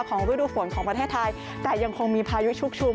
ฤดูฝนของประเทศไทยแต่ยังคงมีพายุชุกชุม